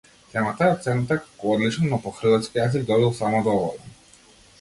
Темата е оценета како одлична, но по хрватски јазик добил само доволен.